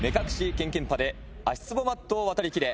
けんけんぱで足つぼマットを渡りきれ！